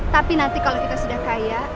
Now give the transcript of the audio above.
tapi nanti kalau kita sudah kaya